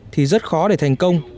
thì rất khó để thành công